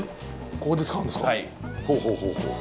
ここで使うんですか？